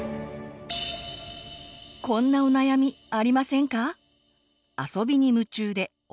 こんなお悩みありませんか？